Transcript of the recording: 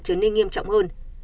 trở nên nghiêm trọng hơn